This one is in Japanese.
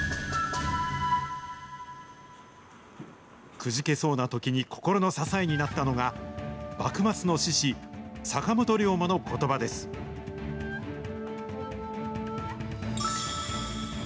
くじけそうなときに心の支えになったのが、幕末の志士、坂本龍馬のことばです。